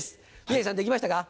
宮治さんできましたか？